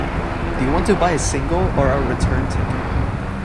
Do you want to buy a single or a return ticket?